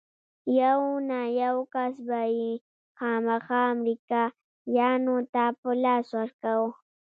يو نه يو کس به يې خامخا امريکايانو ته په لاس ورکاوه.